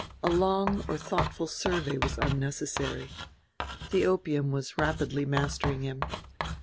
A long or thoughtful survey was unnecessary: the opium was rapidly mastering him.